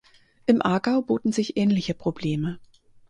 Im Aargau boten sich ähnliche Probleme.